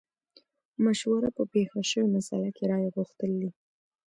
مشوره په پېښه شوې مسئله کې رايه غوښتل دي.